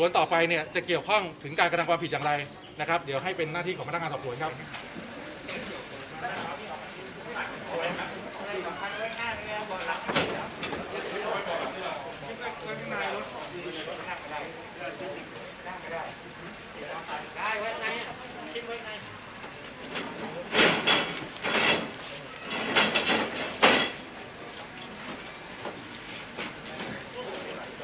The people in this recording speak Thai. ต่อไปเนี่ยจะเกี่ยวข้องถึงการกระทำความผิดอย่างไรนะครับเดี๋ยวให้เป็นหน้าที่ของพนักงานสอบสวนครับ